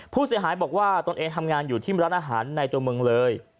ผู้เสียหายบอกว่าตนเองทำงานอยู่ที่ร้านอาหารในตัวเมืองเลย